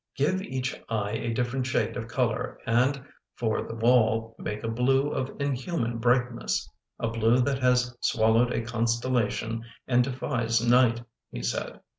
" Give each eye a different shade of color and, for the wall, make a blue of inhuman brightness: a blue that has swallowed a constellation and defies night," he said.